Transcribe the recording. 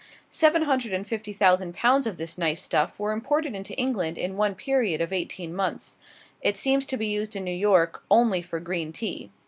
Seven hundred and fifty thousand pounds of this nice stuff were imported into England in one period of eighteen months. It seems to be used in New York only for green tea.